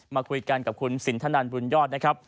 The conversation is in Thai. มาคุยกันกับคุณสินทนันบุญยอดนะครับ